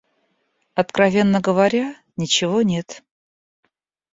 Откровенно говоря, ничего нет.